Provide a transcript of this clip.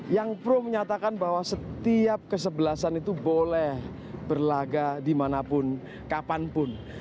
yang pro menyatakan bahwa setiap kesebelasan itu boleh berlaga dimanapun kapanpun